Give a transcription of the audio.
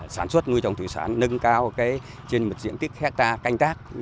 sản xuất ngươi trồng thủy sản nâng cao trên một diện tích hectare canh tác